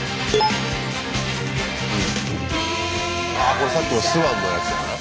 これさっきのスワンのやつじゃない？